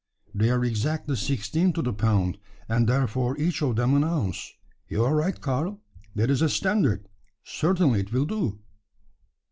"They are exactly sixteen to the pound, and therefore each of them an ounce. You are right, Karl, that is a standard. Certainly it will do."